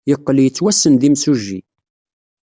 Yeqqel yettwassen d imsujji.